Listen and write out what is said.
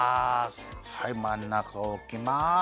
はいまんなかおきます！